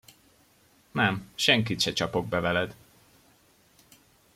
Nem, senkit se csapok be veled!